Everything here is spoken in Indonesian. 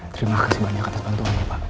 terima kasih banyak atas bantuan ya pak